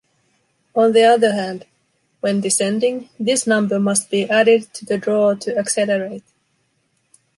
On the other hand, when descending, this number must be added to the draw to accelerate.